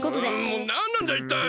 もうなんなんだいったい！